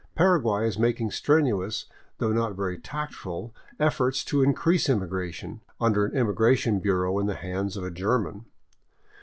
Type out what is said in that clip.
Paraguay is making strenuous, though not very tactful, efforts to increase immigration, under an immigration bureau in the hands of a German.